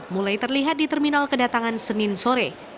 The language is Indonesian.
mulai terlihat di terminal kedatangan senin sore